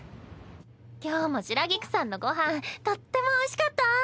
今日も白菊さんのご飯とってもおいしかった。